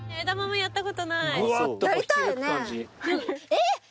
えっ！